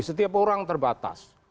setiap orang terbatas